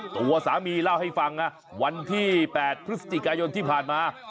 ตัวสามีเล่าให้ฟังนะวันที่๘พฤศจิกายนที่ผ่านมา